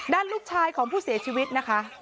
ด้านลูกชายของผู้เสียชีวิตนะคะ